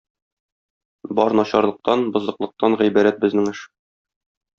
Бар начарлыктан, бозыклыктан гыйбарәт безнең эш.